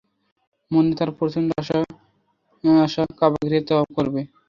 মনে তার প্রচণ্ড আশা, কাবা গৃহের তওয়াফ করবে।